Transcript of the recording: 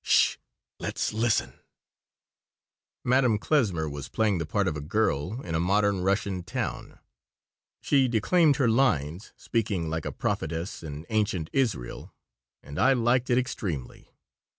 " 'S sh! Let's listen." Madame Klesmer was playing the part of a girl in a modern Russian town. She declaimed her lines, speaking like a prophetess in ancient Israel, and I liked it extremely.